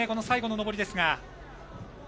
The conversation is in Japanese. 最後の上りですが。